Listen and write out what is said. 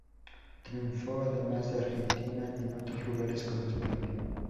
Triunfó además de Argentina en otros lugares como España.